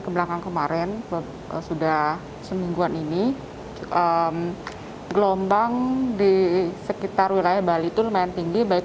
kebelakang kemarin sudah semingguan ini gelombang di sekitar wilayah bali itu lumayan tinggi baik